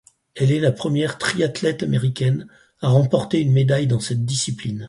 Elle est la première triathlète américaine à remporter une médaille dans cette discipline.